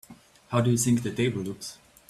How do you think the table looks?